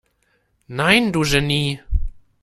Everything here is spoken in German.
Nein, du Genie!